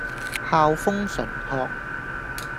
校風純樸